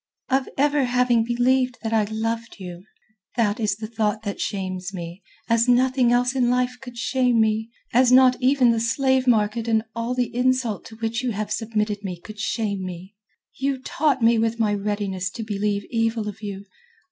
"Of my ever having believed that I loved you. That is the thought that shames me, as nothing else in life could shame me, as not even the slave market and all the insult to which you have submitted me could shame me. You taunt me with my readiness to believe evil of you...."